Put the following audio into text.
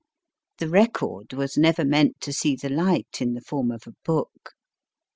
The record was never meant to see the light in the form of a book.